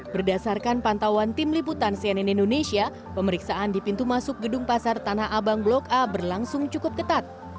berdasarkan pantauan tim liputan cnn indonesia pemeriksaan di pintu masuk gedung pasar tanah abang blok a berlangsung cukup ketat